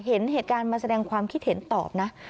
เห็นเหตุการณ์มาแสดงความคิดเห็นตอบนะ